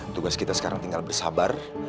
tugas kita sekarang tinggal bersabar